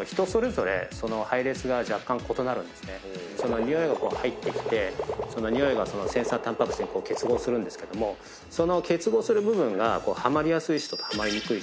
ニオイが入ってきてセンサータンパク質に結合するんですけどもその結合する部分がはまりやすい人とはまりにくい人がいるんですね。